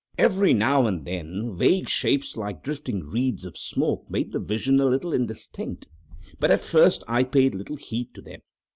Every now and then vague shapes like drifting wreaths of smoke made the vision a little indistinct, but at first I paid little heed to them.